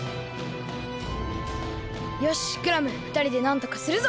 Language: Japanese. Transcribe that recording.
よしクラムふたりでなんとかするぞ！